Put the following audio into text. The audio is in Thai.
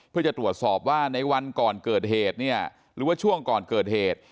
เพื่อจะตรวจสอบว่าในวันก่อนเกิดเหตุเนี่ยหรือว่าช่วงก่อนเกิดเหตุ